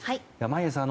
眞家さん